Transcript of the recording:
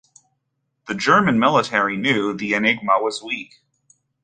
The German military knew the Enigma was weak.